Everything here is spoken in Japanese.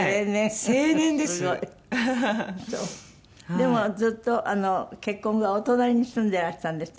でもずっと結婚後はお隣に住んでらしたんですって？